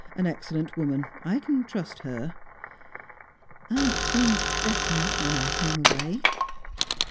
An excellent woman; I can trust her." "Aunt seemed better when I came away."